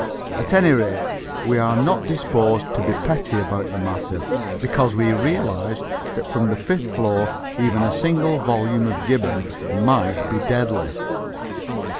At any rate, we are not disposed to be petty about the matter, because we realize that from the fifth floor even a single volume of Gibbon might be deadly.